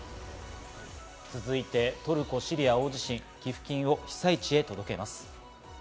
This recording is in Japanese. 続いてトルコ・シリア大地震、寄付金を被災地へ届けます。